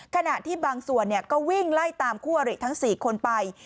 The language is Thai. ขณะที่บางส่วนก็วิ่งไล่ตามคู่อริทั้ง๔คนไป